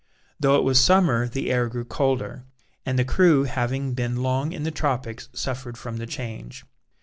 Though it was summer the air grew colder, and the crew having been long in the tropics suffered from the change.